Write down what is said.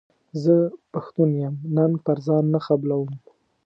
زه پښتون یم ننګ پر ځان نه قبلووم.